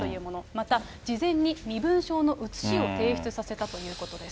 また、事前に身分証の写しを提出させたということです。